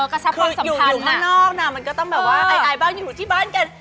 ก็จะพอสัมพันธ์น่ะคืออยู่ข้างนอกน่ะมันก็ต้องแบบว่าไอ้บ้านอยู่ที่บ้านกัน